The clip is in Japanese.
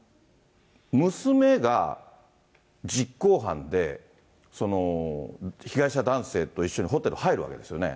娘が実行犯で、被害者男性と一緒にホテル入るわけですよね。